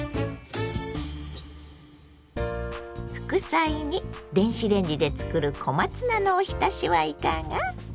副菜に電子レンジで作る小松菜のおひたしはいかが。